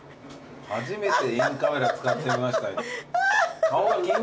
初めてインカメラ使ってみました。